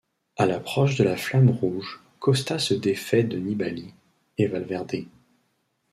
À l'approche de la flamme rouge, Costa se défait de Nibali et Valverde.